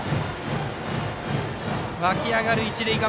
湧き上がる一塁側。